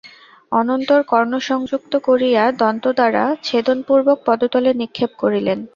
অনন্তর কর্ণসংযুক্ত করিয়া দন্ত দ্বারা ছেদনপূর্বক পদতলে নিক্ষেপ করিলেন।